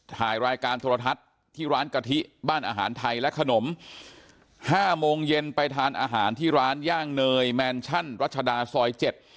ถ่ายรายการโทรทัศน์ที่ร้านกะทิบ้านอาหารไทยและขนมห้าโมงเย็นไปทานอาหารที่ร้านย่างเนยแมนชั่นรัชดาซอยเจ็ด